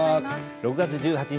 ６月１８日